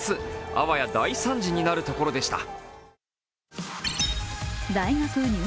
あわや大惨事になるところでした。